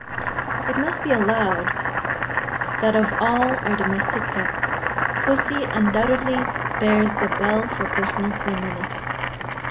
_ It must be allowed, that of all our domestic pets, pussy undoubtedly bears the bell for personal cleanliness.